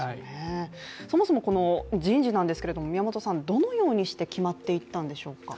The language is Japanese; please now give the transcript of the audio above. そもそもこの人事なんですけれどもどのようにして決まっていったんでしょうか。